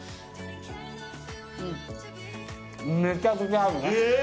めちゃくちゃ合うね。